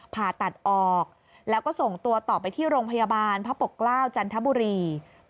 ผ่าตัดออกแล้วก็ส่งตัวต่อไปที่โรงพยาบาลพระปกเกล้าจันทบุรี